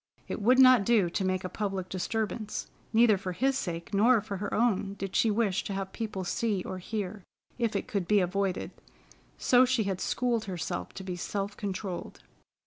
It would not do to make a public disturbance. Neither for his sake nor for her own, did she wish to have people see or hear, if it could be avoided, so she had schooled herself to be self controlled.